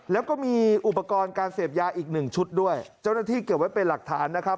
แล้วก็มีอุปกรณ์การเสพยาอีกหนึ่งชุดด้วยเจ้าหน้าที่เก็บไว้เป็นหลักฐานนะครับ